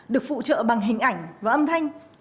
được phụ trợ bằng hình ảnh và âm thanh